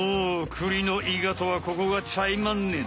栗のいがとはここがちゃいまんねん。